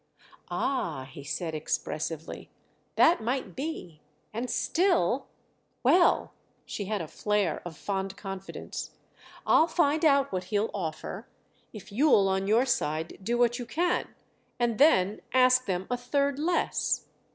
"Ah," he said expressively, "that might be, and still——!" "Well," she had a flare of fond confidence. "I'll find out what he'll offer—if you'll on your side do what you can—and then ask them a third less."